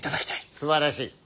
すばらしい！